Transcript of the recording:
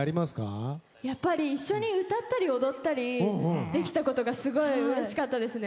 やっぱり一緒に歌ったり踊ったりできたことがすごいうれしかったですね。